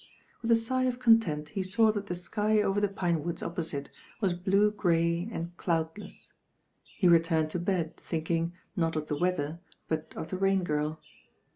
With a sigh of content he saw that the s' y over the pinewoods opposite was blue grey and cloudless. He returned to bed thinking, not of the weather, but of the Rain Girl.